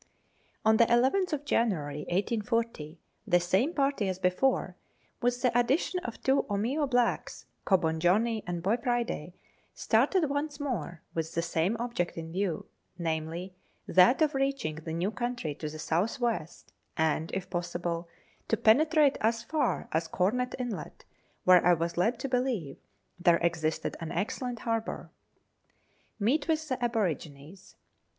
On the llth of January 1840, the same party as before, with the addition of two Omeo blacks Cobbon Johnny and Boy Friday started once more with the same object in view, namely, that of reaching the new country to the south west, and, if pos sible, to penetrate as far as Corner Inlet, where I was led to believe there existed an excellent harbour. Meet with the Aborigines.